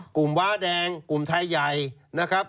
ว้าแดงกลุ่มไทยใหญ่นะครับ